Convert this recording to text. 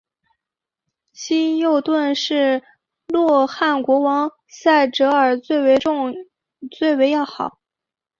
希优顿是洛汗国王塞哲尔最为要好。